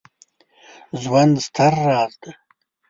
ژوند ستر راز دی